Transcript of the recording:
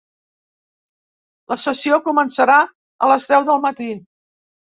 La sessió començarà a les deu del matí.